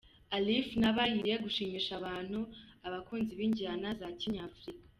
Alif Naaba yiteguye gushimisha abantu abakunzi b'injyana za kinyafurika.